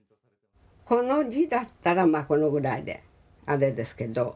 この字だったらまあこのぐらいであれですけど。